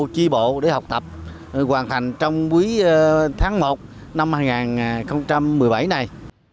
tri bộ để học tập hoàn thành trong quý tháng một năm hai nghìn một mươi bảy này